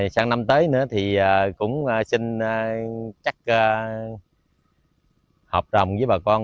sáng năm tới nữa thì cũng xin chắc hợp đồng với bà con